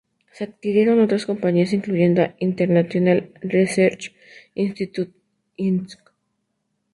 Se adquirieron otras compañías incluyendo a Inter-National Research Institute Inc.